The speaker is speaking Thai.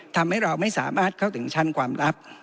ทำให้เราไม่สามารถเข้าถึงชั้นความลับ